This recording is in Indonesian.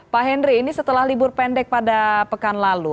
pak henry ini setelah libur pendek pada pekan lalu